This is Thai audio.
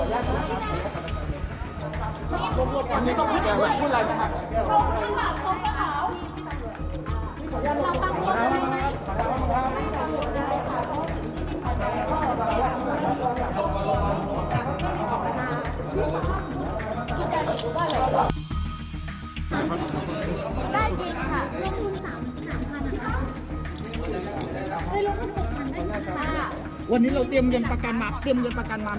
วันนี้เราเตรียมเวียนประกันมาไม่ครับผม